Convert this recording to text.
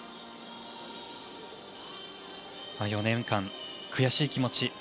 ４年間、悔しい気持ち。